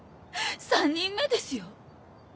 ３人目ですよ？